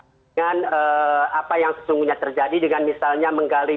dengan apa yang sesungguhnya terjadi dengan misalnya menggali